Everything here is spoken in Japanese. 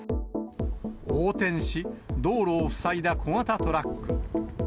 横転し、道路を塞いだ小型トラック。